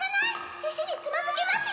石につまずきますよ！